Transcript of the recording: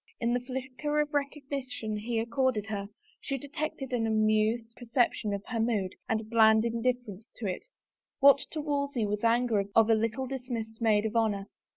In the flicker of rec ognition he accorded her, she detected an amused per ception of her mood and bland indifference to it — what to Wolsey was the anger of a little dismissed maid of honor?